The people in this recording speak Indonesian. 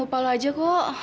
nunggu pak wul aja kok